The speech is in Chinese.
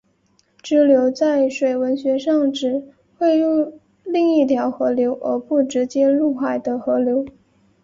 支流在水文学上指汇入另一条河流而不直接入海的河流。